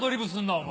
お前。